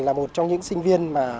là một trong những sinh viên